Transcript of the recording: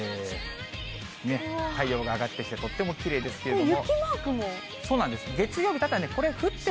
太陽が上がってきてとってもきれいですけれども。